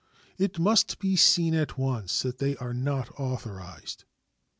It must be seen at once that they are not authorized.